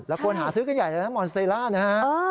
แล้วคนหาซื้อกันใหญ่เลยนะมอนสเตรล่านะฮะ